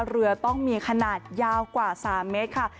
เรือต้องมีขนาดยาวกว่า๓เมตรค่ะ